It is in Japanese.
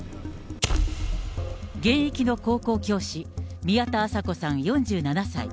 現役の高校教師、宮田麻子さん４７歳。